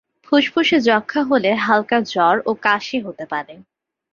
ফুসফুসে যক্ষ্মা হলে হাল্কা জ্বর ও কাশি হতে পারে।